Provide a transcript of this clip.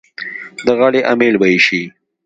د غاړې امېل به یې شي.